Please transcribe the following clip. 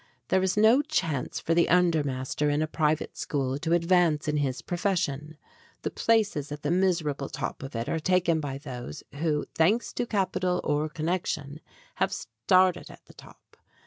There is no chance for the under master in a private school to advance in his profession ; the places at the miserable top of it are taken by those who, thanks to capital or connection, have started at the top.